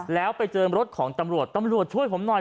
แล้วไปเจอรถของตำรวจตำรวจช่วยผมหน่อย